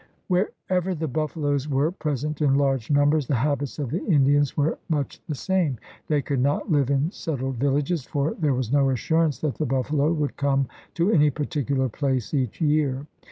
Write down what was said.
Wherever the buffaloes were present in large numbers, the habits of the Indians were much the same. They could not live in settled villages, for there was no assurance that the buffalo would come to any particular place each year.